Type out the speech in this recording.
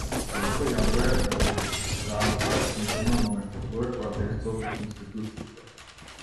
Првото јадро е етаблираната книжевна номенклатура која дејствува преку институциите.